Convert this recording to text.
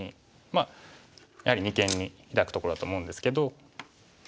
まあやはり二間にヒラくところだと思うんですけど。